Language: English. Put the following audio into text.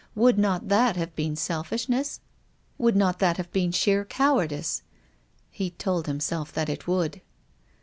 Would not that have been selfishness? Would not that have been sheer cowardice? lie told himself that it would.